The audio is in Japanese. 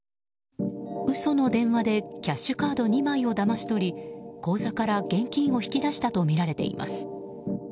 嘘の電話でキャッシュカード２枚をだまし取り口座から、現金を引き出したとみられています。